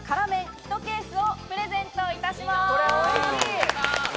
１ケースをプレゼントいたします。